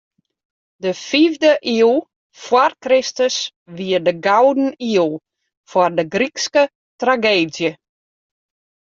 De fiifde iuw foar Kristus wie de gouden iuw foar de Grykske trageedzje.